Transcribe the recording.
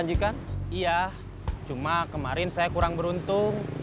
iya cuma kemarin saya kurang beruntung